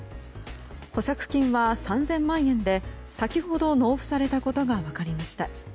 保釈金は３０００万円で、先ほど納付されたことが分かりました。